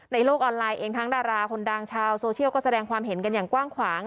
โลกออนไลน์เองทั้งดาราคนดังชาวโซเชียลก็แสดงความเห็นกันอย่างกว้างขวาง